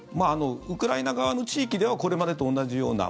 ウクライナ側の地域ではこれまでと同じような。